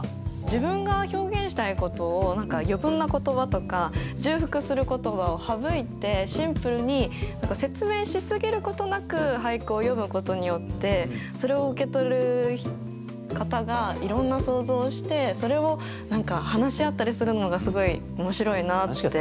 自分が表現したいことを余分な言葉とか重複する言葉を省いてシンプルに説明しすぎることなく俳句を詠むことによってそれを受け取る方がいろんな想像をしてそれを話し合ったりするのがすごい面白いなって。